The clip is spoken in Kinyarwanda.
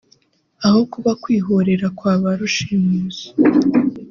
aho kuba kwihorera kwa ba rushimusi